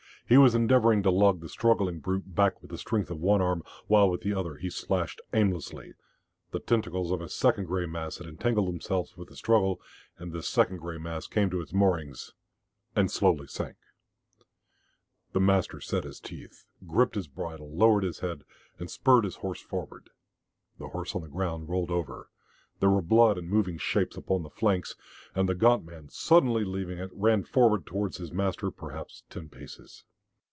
He was endeavouring to lug the struggling brute back with the strength of one arm, while with the other he slashed aimlessly, The tentacles of a second grey mass had entangled themselves with the struggle, and this second grey mass came to its moorings, and slowly sank. The master set his teeth, gripped his bridle, lowered his head, and spurred his horse forward. The horse on the ground rolled over, there were blood and moving shapes upon the flanks, and the gaunt man, suddenly leaving it, ran forward towards his master, perhaps ten paces.